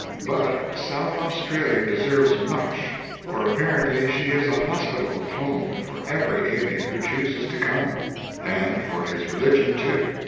But South Australia deserves much, for apparently she is a hospitable home for every alien who chooses to come; and for his religion, too.